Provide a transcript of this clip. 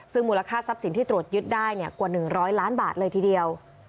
ซึ่งมูลค่าทรัพย์สินที่ตรวจยึดได้กว่า๑๐๐ล้านบาทเลยทีเดียว